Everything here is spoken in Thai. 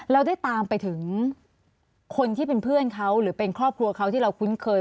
เราได้ตามไปถึงคนที่เป็นเพื่อนเขาหรือเป็นครอบครัวเขาที่เราคุ้นเคย